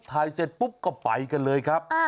เสร็จปุ๊บก็ไปกันเลยครับ